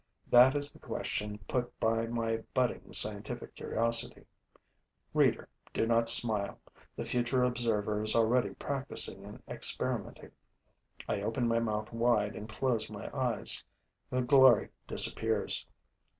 That is the question put by my budding scientific curiosity. Reader, do not smile: the future observer is already practicing and experimenting. I open my mouth wide and close my eyes: the glory disappears.